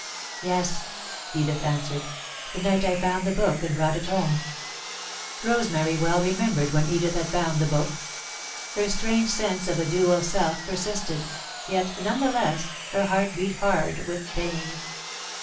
"Yes," Edith answered. "The night I found the book and brought it home." Rosemary well remembered when Edith had found the book. Her strange sense of a dual self persisted, yet, none the less, her heart beat hard with pain.